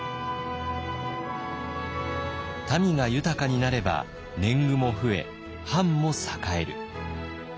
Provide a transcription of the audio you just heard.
民が豊かになれば年貢も増え藩も栄える。